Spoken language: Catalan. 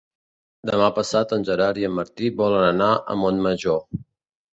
Demà passat en Gerard i en Martí volen anar a Montmajor.